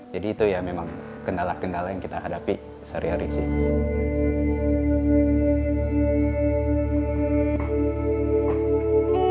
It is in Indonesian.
jadi itu ya memang kendala kendala yang kita hadapi sehari hari sih